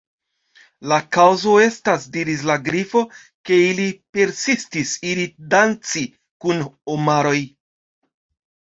"La kaŭzo estas," diris la Grifo, "ke ili persistis iri danci kun omaroj »